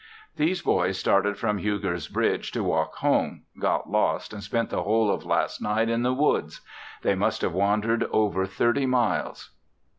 These boys started from Huger's Bridge to walk home; got lost and spent the whole of last night in the woods. They must have wandered over thirty miles.